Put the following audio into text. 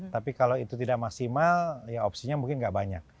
tapi kalau itu tidak maksimal ya opsinya mungkin nggak banyak